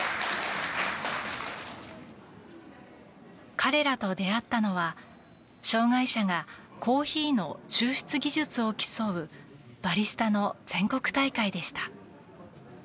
彼らと出会ったのは障害者がコーヒーの抽出技術を競うバリスタの全国大会でした。